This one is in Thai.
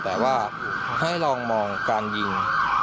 แต่ว่าให้ลองมองการยิง